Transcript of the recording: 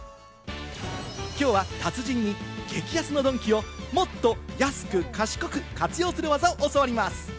きょうは達人に激安のドンキをもっと安く、賢く活用する技を教わります。